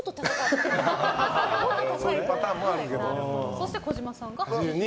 そして、児嶋さんが８２。